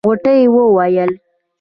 غوټۍ وويل.